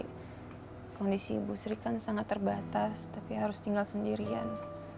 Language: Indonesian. kondisi ibu sri kan sangat terbatas tapi harus tinggal sendirian